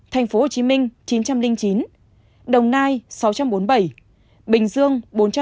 thành phố hồ chí minh chín trăm linh chín đồng nai sáu trăm bốn mươi bảy bình dương bốn trăm tám mươi ba